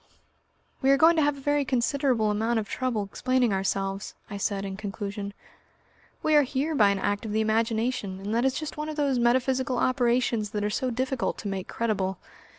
"We are going to have a very considerable amount of trouble explaining ourselves," I said in conclusion. "We are here by an act of the imagination, and that is just one of those metaphysical operations that are so difficult to make credible.